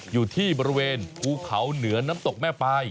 อยู่ที่บริเวณภูเขาเหนือน้ำตกแม่ปลาย